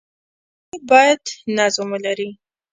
لوبغاړي باید نظم ولري.